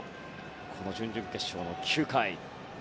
この準々決勝の９回。